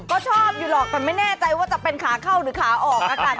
ก็ชอบอยู่หรอกแต่ไม่แน่ใจว่าจะเป็นขาเข้าหรือขาออกแล้วกัน